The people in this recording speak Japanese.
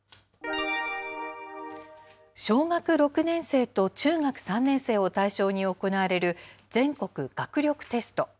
小学６年生と中学３年生を対象に行われる全国学力テスト。